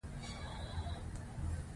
اکبر د فتح پور سیکري ښار جوړ کړ.